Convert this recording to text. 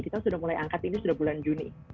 kita sudah mulai angkat ini sudah bulan juni